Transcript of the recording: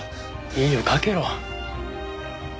いいよかけろ。